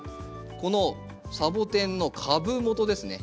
このサボテンの株元ですね